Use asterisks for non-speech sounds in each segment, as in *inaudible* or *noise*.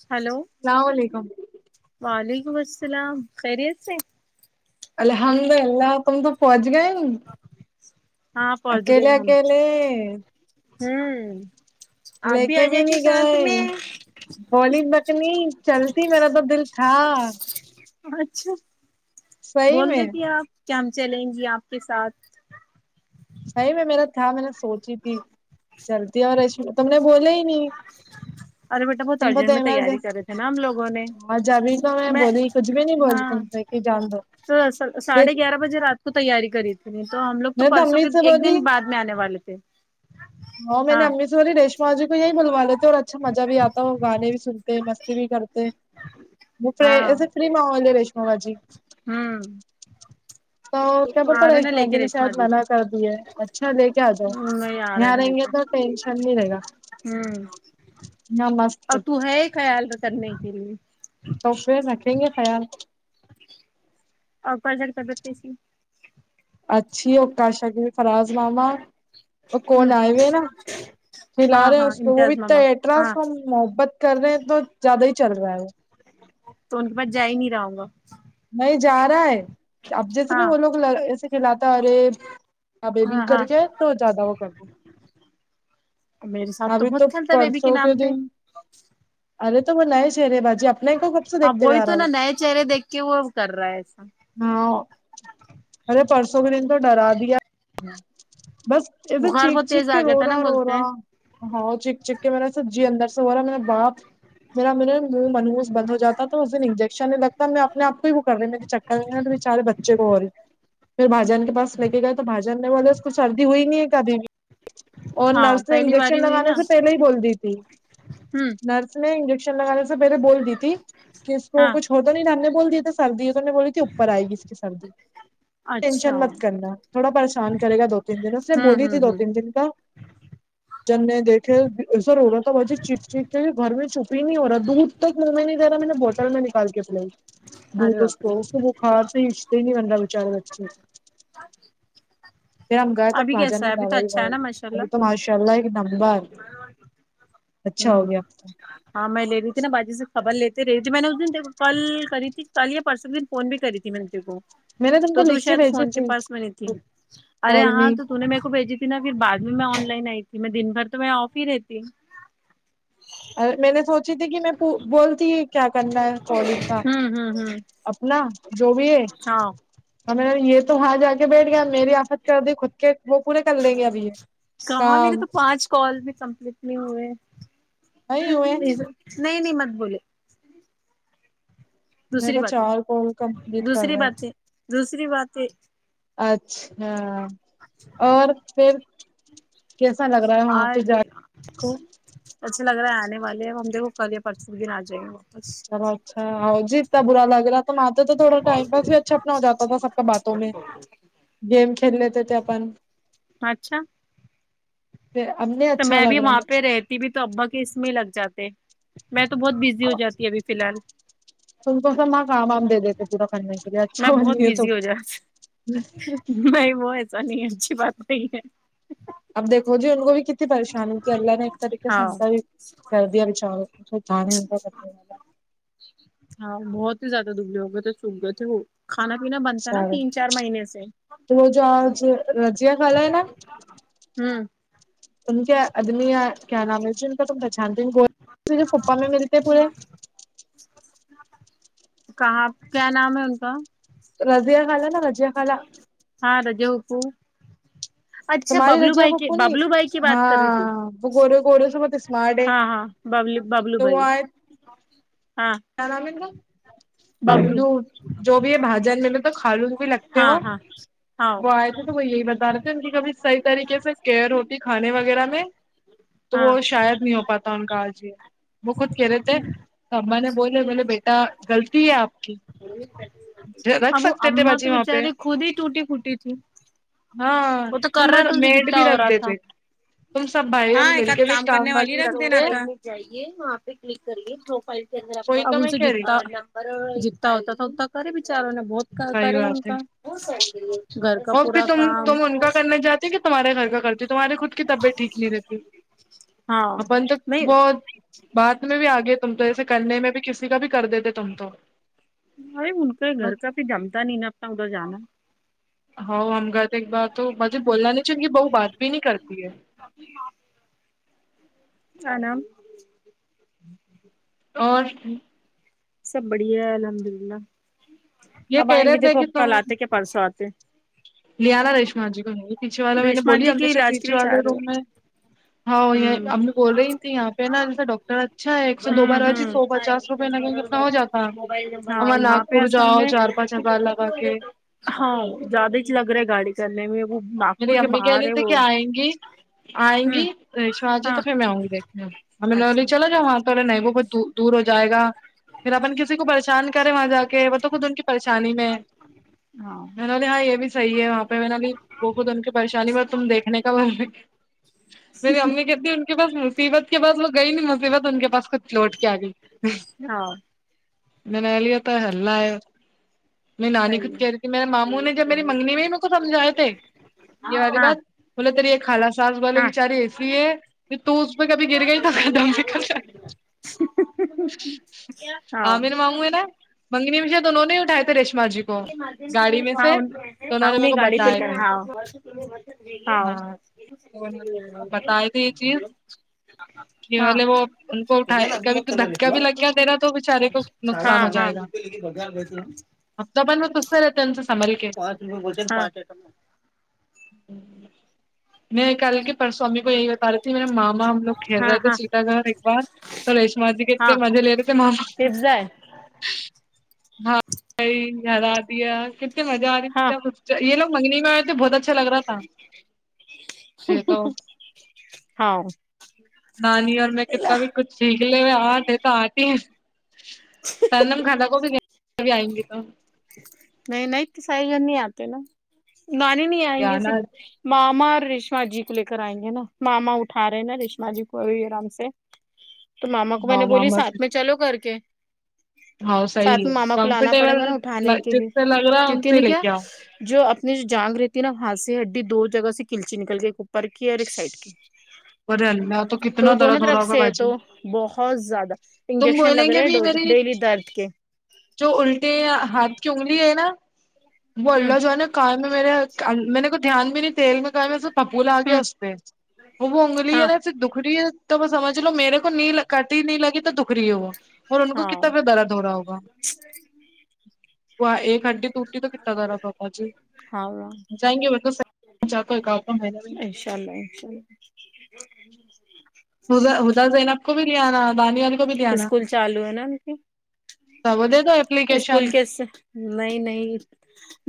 چلو سلام و علیکم وعلیکم السلام خیریت سے الحمد للہ تم تو پہنچ گئے ہاں پہنچ گئے اکیلے ہم اکیلے ہوں آپ لے کے آ بھی جاتی نہیں ساتھ گئے میں بولی تکنی چلتی میرا تو دل تھا اچھا صحیح بول میں دیتی ہے آپ کیا ہم چلیں گی آپ کے ساتھ صحیح میں میرا تھا میں نے سوچی تھی چلتی اور ایسی تم نے بولا ہی نہیں ارے بیٹا بہت تم کو ارجنٹ تو میں ایمرج تیاری کر رہے تھے نا ہم لوگوں نے آج ابھی تو میں بولی کچھ بھی نہیں بولی ہاں تم سے کہ جان دو تو ساڑھے یہ گیارہ بجے رات کو تیاری کری تو ہم لوگ تو میں نے پرسوں امی کے سے ایک بولی دن بعد میں آنے والے تھے ہاں اسی ریشما با جی کو یہی بلوا لیتے اور اچھا مزہ بھی آتا ہے وہ گانے بھی سنتے مستی بھی کرتے وہ ف ہاں ایسے فری ماحول ہے ریشما با جی ہوں تو کیا پتا آ رہے نا لے رشمابا جی کے نے ریشما شاید منع کر کو دی ہے اچھا لے کے آ جاؤ نہیں آ رہے یہاں نا لے رہیں گے تو کے ٹیشن نہیں رہے گا ہوں یہاں مست اور تو ہے خیال کرنے کے لیے تو پھر رکھیں گے خیال تو اور بھائی جن طبیعت کیسی اچھی ہے اوکشا فراز ماما اور کون ہ آئے ہو نا کھلا ہاں رہے ہیں ہاں اس کو وہ امتیاز بھی تو ماما الٹرا ہاں ساؤ محبت کر رہے ہیں تو زیادہ ہی چل رہا ہے تو ان کے پاس جا ہی نہیں رہا ہوں گا نہیں جا رہا ہے اب جیسے بھی ہاں وہ لوگ ل سے کھلاتا ارے اب بھی ہاں کر ہاں کے تو زیادہ وہ کر تا میرے ساتھ ابھی تو بہت کھیلتا ہے بیبی پرسوں کے نام پہ دن ارے تو وہ نئے چہرے باجی اپنے کو سے ہاں دیکھتے ہوئے وہی آ تو رہا وہ نا نئے چہر دیکھ کے وہ کر رہا ہے ایسا ہاں ارے پرسوں کے دن تو ڈرا دیا بس ا تو بخار چیخ بہت چیخ تیز آ کے گیا رو تھا نا رہا رو بولتے ہیں رہا ہاں چک چک کے میرا سب جی اندر سے ہو رہا ہے میرا باپ میرا ما منہ منو بند ہو جاتا تو اس دن انجیکشن نہیں لگتا ہے میں اپنے آپ کو ہی وہ کرتی جب مجھے چکر ارے بیچارے بچے رو ہے پھر بھائی جان کے پاس لے کے گئے تو بھائی جاننے والے اس کو سردی ہوئی نہیں ہے کبھی بھی اور ہاں نرس نے پہلی انجیکشن باری ہوئی لگانے نا سے پہلے ہی بول دی تھی ہ نرس اس نے انجیکشن لگانے سے پہلے بول دی تھی کہ اس کو ہاں کچھ ہو تو نہیں ڈاننے بول تو سردی تو نے بولی تھی اوپر آئے گی اس کی سردی اچھا ٹینشن ہوں مت کرنا تھوڑا پریشان کرے گا دو تین دن اس نے بولی ہ تھی دو ہ تین دن کا جنے دیکھے ایسا رو رہا تھا باجی چیخ چیخ کےگھر میں چپ ہی نہیں ہو رہا دودھ دودھ تک منہ میں نہیں لیرا میں نے بوٹل میں نکال کے پلائی دودھ ارے اس باپرے کو تو بخار سے ہچتے ہی نہیں بچارے بچے کو پھر ہم گئے تو ابھی باجا کیسا نے ہے ابھی تو دائی اچھا ہے نا ماشاء تو اللہ ماشاءاللہ ایک نمبر اچھا ہو ہوں گیا اب تو۔ ہاں میں لے رہی تھی نہ باجی سے خبر لیتے رہی تھی میں نے اس دن دیکھ کل کری تھی کل یا پرسوں کے دن فون بھی کری تھی میں نے تے کو میں نے تم تو کو تو لکھ شاید بھیجی فون کے تھی پاس میں نہیں تھی ارے کال ہاں می تو تو نے میرے کو بھیجی نا پھر بعد میں آن لائن آئی تھی میں دن بھر تو میں آف ہی رہتی اور میں نے سوچی تھی کہ میں بولتی کیا کرنا ہے کالنگ کا ہوں ہوں اپنا جو بھی ہے ہاں ہمیں نہ یہ تو وہاں جا کے بیٹھ گیا میری آفت کر دی خود کے وہ پورے کر لیں گے ابھی یہ کہاں میرے کام تو پانچ کال بھی کمپلیٹ نہیں ہوئے نہیں ہوئے نہیں نہیں مت بولے میرے دوسری کو بات ہے چار کال کمپلیٹ کر دوسری رہا بات ہے دوسری بات ہے اچھا اور پھر کیسا لگ رہا ہے وہاں پہ اور جا کو اچھا لگ رہا ہے آنے والے ہم دیکھو کل پرسوں کے دن آ جائیں گے واپس چلو اچھا ہؤ جی اتنا بر ل رہا تو م آ تو تو تھوڑا ٹائم پاس بھی اچھا اپنا ہو جاتا تھا سب کا بات اور کو *inaudible* گیم کھیل لیتے تھے اپن اچھا پھر ہم نے تو میں بھی وہاں پہ رہتی بھی تو ابا کے اس میں لگ جاتے میں تو بہت بزی ہو جاتی ہوں ابھی فی الحال تم کو سب وہاں کام وام دے دیتے پورا کرنے کے لیے میں اچھا بن بہت گیا تو بزی ہو جاتی نہیں وہ ایسا نہیں ہے اچھی بات نہیں ہے اب دیکھو جی ان کو بھی کتنی پریشان ہو کی اللہ نے ایک طریق ہاں سےنتر بھی کر دیا بچاروں کو جان *unintelligible* نہیں کرنے والا ہاں بہت ہی زیادہ دبلے ہو گئے تھے سوکھ گئے تھے وہ کھانا پینا بند کرا بچارے تین چار مہینے سے تو رو جو آج رجیا خالہ ہے نا ہوں ان کے آدمی کیا نام ہے جو ان کا تم پہچانتے پھپھا میں ملتے پورے کہا کیا نام ہے ان کا رضیہ خالا نا رضیہ خالا ہاں رضیہ پھپھو تمہارے رجیا کی پپو نہیں ببلو بھائی کی بات کر رہی تو ہاں وہ گورے گورے سے بت ہاں ہاں ببلو ببلو بھائی آئے ہاں کیا نام ہے ان کا ببلو جو بھی ہے بھئی جان میں نہ خالو بھی لگتے ہیں ہاں وہ ہاں ہاں وہ آئے تھے تو وہ یہی بتا رہے تھے ان کی کبھی صحیح طریقے سے کیئر ہوتی کھانے وغیرہ میں تو ہاں وہ شاید نہیں ہو پاتا تن آج بھی وہ خود کہ رہے تھے تو اما نے بولے بولے بیٹا غلطی ہے آپ کی رکھ ابو سکتے تھے امم تو باجی وہاں پہ بچاراری خود ہی وٹی فوٹی تھی ہاں وہ تو کر رہے تمہار تھےے میڈ بھی جتتا ہو رکھ رہا تھا دیتے تم سب بھائی ہاں بہن مل ایکد کے بھی کام کرنے والی رکھ دینا رکھتے تھا جائیے وہاں پہ کلک کریے دو فال کے اندر آپ کا وہی اب تو میں سے کہہ رہی جتتا ب جیتتا ہوتا تو ہوتا کری بچاروں نے بہت صحیح کرے ان بات ہے کا گھر کا اور پھر پورا تم کام تم ان کا کرنے جاتی ہے کہ تمہارے گھر کا کرتی تمہارے خود کی طبیعت ٹھیک نہیں رہتی ہاں اپن تو بائی بات میں بھی آگے تم تو ایسے کرنے میں بھی کسی کا بھی کر دیتے تھ بھائی ان کے گھر بٹ کا پھر جمتا نہیں نا اپتا ادھر جانا ہ ہم گ تو ایک بار تو مجب بولنا نہیں چاہیے انکی بہو بات بھی نہیں کرتی ہے *unintelligible* آ نام اور *unintelligible* سب بڑھیا ہے الحمد للہ یہ اب کہہ آئیں رہے گے تھے دیکھو کہ کل آتے کہ پرسوں آتے لیاا ریشما جی کو یہی پیچھے والا میں نے ریشما بولی جی کے ہمیشہ علاج کے پیچھے لیے والے چاہ رہے روم میں ہاں یہ ہوں ا ہم بھی بول رہی تیں آپ پے نا جیسے ڈوک اچھا ہے ایک سو دو بار بجی سو پچاس روپئے لگےے کتنا ہو جاتا امر لاکھ پھر جاؤ چار پانچ ہزار لگا کے ہاں زیادہ ہی چ لگ رہا ہے گاڑی کرنے میں وہ ناگپور میری کے امی کہہ باہر رہی ہے تھی وہ کہ آئیں گی آئیں ہوں گی شواہ جی ہاں تو پھر میں آؤں گی دیکھنے ہمیں نولی اچھا چلا جاؤ وہاں توے نہیں بت دو دور ہو جائے گا پھر اپن کسی کو پریشان کریں وہاں جا کے وہ تو خود ان کی پریشانی میں ہاں میں نے بولی ہاں یہ بھی صحیح ہے وہاں پہ میرا بھی وہ خود ان کی پریشانی میں تم دیکھنے کا م میری امی کہتی ان کے پاس ہے مصیبت کے پاس وہ گئی ن مصیبت ان کے پاس کچھ لوٹ کے آ گئی ہاں منالیا تو ہیلہ ہے میری نانی خود صحیح ہے کہہ رہی تھی میرے ماموں نے جب میری منگنی میں ان کو سمجائے تھے یہ ہاں والی ہاں بات ملا تری ایک خالا ساس بولے ہاں بچاری ایسی ہے کہ تو کبھی گر گئی تو دم نکل جائے ہاں عابد مامو ہے نا منگنی میں شاید انھوں نے دونوں نے ہی اٹھائے تھے ریشما ما جی کو گاڑی میں ہاں سے تو انہوں نے میر انہیں کو گاڑی پہ بتائے کر تھے ہاں ہاں تو نے بتائے تھے یہ چیز کے ہاں بولے وہ ان کو ہو گیا نا اٹھائے ابھی کبھی مت تو چلا دھکا بھی رہے لگیا تیرا تو بچارے کو ہاں ہاں اب تو بہن میں تجھ سے رہتی سنبھال کے ہاں *inaudible* میں کل کے پرسوں امی کو یہی بتا رہی تھی میرے ماما ہم لوگ کھیل ہاں رہے تھے ہاں سیتا گھر ایک بار تو ریشما جی کتنے ہاں مزے لے رہے تھے ماما پزا ہے ہاں *unintelligible* کتنے مزہ آ رہی ہاں تھی یہ لوگ مگنی میں اے تھے بہت اچا تھے تو *inaudible* ہاں نانی اور میں کتنا بھی کچھ سیکھ لیے ہوئے آواز دے تو آتی ہی ہے نم کھانا کو بھی نہیں ابھی ائیں گے تو نہیں نہیں صحیح گھر نہیں اتے نا نانی نہیں ائیں گے جانا صرف ماما اور ریشما جی کو لے کر ائیں گے نا ماما اٹھا رہے ہیں نا ریشما جی کو ابھی ارام سے تو ماما کو میں ہاں نے بولی ماما ساتھ سے میں چلو کر کے ہاں ساتھ صحیح میں ہے ماما کو لانا پڑے گا کمفرٹیبل نا اٹھانے کے جس سے لیے لگ رہا ہے ان کیوکہ سے ہی نی لے کیا کے آؤ جو اپنی جو جانگ رہتی ہے نا ہاںھ سے ہڈی دو جگہ سے کلچی نکل ایک اوپر کی اور ایک سائڈ کی *inaudible* ارے اللہ تو کتنا دونوں درد ہو رہا طرف ہوگا سے تو باجی بہت زیادہ تم انجیکشن بولیں لگ گے رہے بھی میری ڈیلی درد کے جو الٹے ہاتھ کی انگلی ہے نا وہ ہوں اللہ جانے کان میں میرے میں نے کوئی دھیان بھی نہیں تیل بھی ڈالا پھپولا ا گیا ہوں اس سے وہ انگلی ہے ہاں نا صرف دکھریی ہے تو وہ سمجھ لو میرے کو نہیں لگی تو دکھریی ہے وہ اور ان کو کتنا پہ درد ہو رہا ہوگا ا *inaudible* وھو ایک ہیڈی ٹوٹی تو کتنا درد ہوتا جی ہاں جائینگے بولا تو صحیح جا کر کوئی کام وام ہے نا بھی چلیں چل *inaudible* حدا حدا زینب کو بھی لے آنا دانیل کو بھی لے آنا اسکول چالو ہے نا ان کی ہاں وہ دے دو ایپلیکیشن اسکول کے نہیں نہیں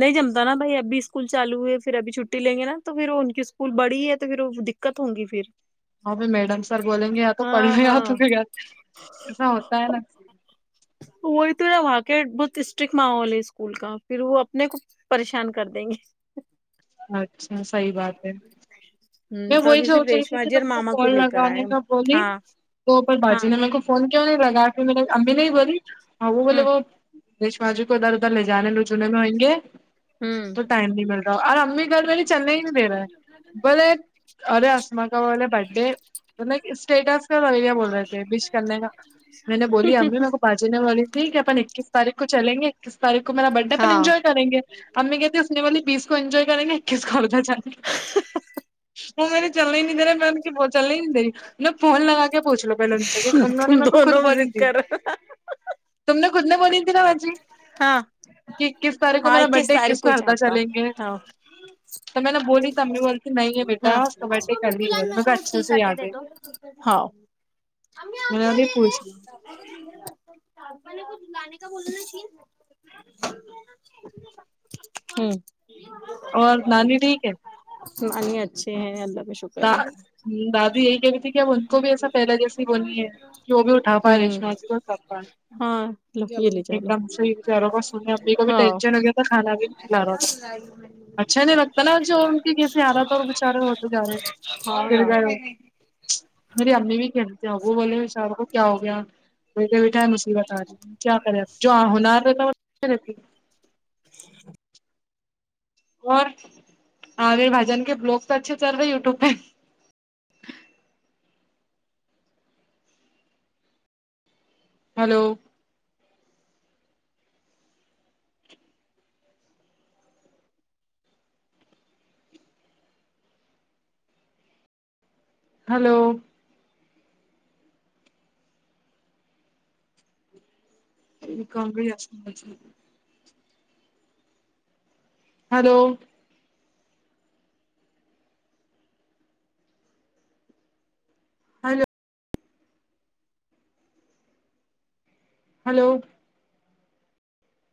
نہیں جمتا نا بھائی ابھی اسکول چالو ہوئے ہے پھر ابھی چھٹی لیں گے نا تو پھر ان کی اسکول بڑی ہے تو پھر وہ دقت ہوں گی پھر ہاں بھئی میڈم سر بولیں گے یا تو پڑھ ہاں نے آؤ یا تو ہاں ایسا ہوتا ہے نا وہی تو نا وہاں کے بہت اسٹرکٹ ماحول ہے اسکول کا پھر وہ اپنے کو پریشان کر دیں گے اچھا صحیح بات ہے ہ میں تو وہی ابھی صرف سوچ رہی تھی ریشما کہ جی تم اور کو ماما کال لے کر آئے لگانے کا بولی ہاں تو پر باجی ہاں نہ میں کو فون کیوں نہیں لگا کہ میں نے امی نہیں بولی ہ وہ بولے وہ ریشما جی کو درد اد لے جانے لو جنے میں ایہ گے ہ تو ٹائم نہیں مل رہا اور امی گھر میری چنئی ہی نہیں دے رہا ہے بولے ارے اسما کا والا برڈے سٹاٹس کا لیا بول رہے تھے بش کرنے کا میں نے بولی امی میرے کو باجی نہ بولی تھی کہ اپن اکیس تاریخ کو چلیںے اکیس تاریخ کو میرا برڈے اپن ہاں ینجونے کریں گے امی کہتی ہیں اسنے والی بیس کو انجوائے کریں گے اکیس کالے وہ میں نے چلنا ہی نہیں درہی میں بھی چلنا ہی نہیں درہی میں فون لگا کے پوچھ لو پہلے ان سے کہ انہوں نے تم میر کو خود دونوں بولی ضد تھی کر رہے ہو۔ تم نے خود دنے بولی تھی نا باجی ہاں کہ اکیس تاریخ کو ہاں میرا کے برڈے ساری اکیس کچھ ہلکا آتا چلیے گے ہاں تو میں نے بولی تو امی نے بولتی نہیں ہے بیٹے ہم اسما پھوپھو جان میں کو تشیرٹ یاد دے ہے دو ھو امی اپ میں نے کیا بولی لے پوچھ لو رہے مے نہ کچھ لانے کا بولا ہم اور نانی ٹھیک ہے نانی اچھے ہیں اللہ کا شکر دا ہے دادی یہی کہہ رہی تھی کہ اب ان کو بھی ایسا پہلا جیسی بونی ہے کہ وہ بھی اٹھا پائے ہوں ریشما جی کو کففان ہاں لو یہ لے جا ایک لو دم صحیح یارو وہ سن امی کو بھی ہاں ٹینشن ہو گیا تھا کھانا بھی کھلا رہا تھا اچھا نہیں لگتا تال وہ جو اور ان کے کیسے ارہا تھا اور بےچارے ہوتے جا رہے ہیں ہاؤ گر یار گئے ہو۔ میری امی بھی کہنتی ہیں وہ بولی وچار کو کیا ہو گیا بیٹے بیٹھ م اس کی بتا رہی کیا کرے جو ہنار رہتا رہتی *unintelligible* اور آو بھائی جان کے بلاگ تو اچھے چل رہے یوٹیوب پہ hello hello *unintelligible* hello hello hello